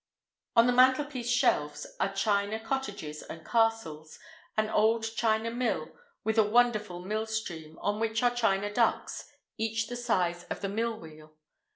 On the mantelpiece shelves are china cottages and castles, an old china mill with a wonderful mill stream, on which are china ducks, each the size of the mill wheel!